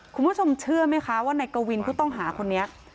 คุณผู้ชมเชื่อไหมคะว่านายกวินผู้ต้องหาคนนี้